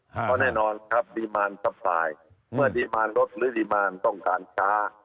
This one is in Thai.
ก็แน่นอนครับริมาณตับปลายเมื่อริมาณรถหรือริมาณต้องการใช้